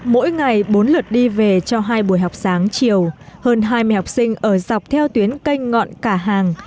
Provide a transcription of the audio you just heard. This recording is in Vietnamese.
mỗi ngày bốn lượt đi về cho hai buổi học sáng chiều hơn hai mươi học sinh ở dọc theo tuyến canh ngọn cả hàng